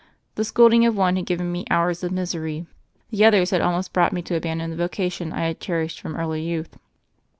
The scolding of one had given me hours of misery, the other's had almost brought me to abandon the vocation I had cherished from early youth.